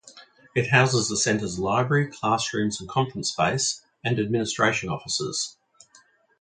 It houses the Center's library, classrooms and conference space, and administration offices.